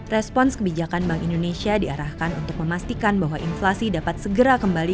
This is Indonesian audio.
respons kebijakan bank indonesia diarahkan untuk memastikan bahwa inflasi dapat segera kembali